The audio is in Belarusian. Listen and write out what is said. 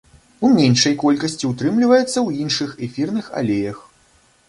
У меншай колькасці ўтрымліваецца ў іншых эфірных алеях.